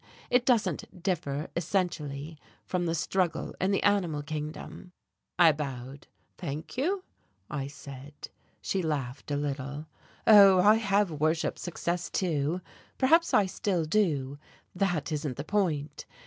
It doesn't differ essentially from the struggle in the animal kingdom." I bowed. "Thank you," I said. She laughed a little. "Oh, I have worshipped success, too. Perhaps I still do that isn't the point.